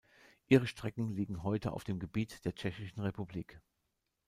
Ihre Strecken liegen heute auf dem Gebiet der Tschechischen Republik.